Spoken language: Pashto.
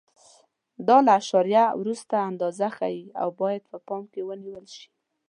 دا له اعشاریه وروسته اندازه ښیي او باید په پام کې ونیول شي.